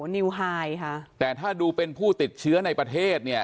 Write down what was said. นิวไฮค่ะแต่ถ้าดูเป็นผู้ติดเชื้อในประเทศเนี่ย